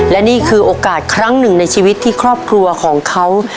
และนี่คือโอกาสครั้งหนึ่งในชีวิตที่ครอบครัวของเขา